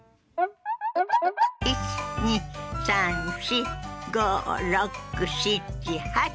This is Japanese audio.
１２３４５６７８。